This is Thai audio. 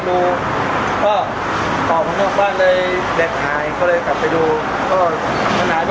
แต่จะเห็นไม่ได้เพราะรู้สึกต้องก่อน